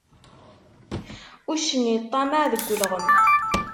Uccen iṭṭammaɛ deg ulɣem.